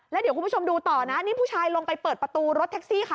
แล้วเดี๋ยวคุณผู้ชมดูต่อนะนี่ผู้ชายลงไปเปิดประตูรถแท็กซี่ค่ะ